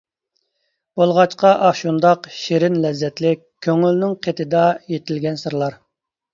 بولغاچقا ئاھ شۇنداق شېرىن لەززەتلىك، كۆڭۈلنىڭ قېتىدا يېتىلگەن سىرلار.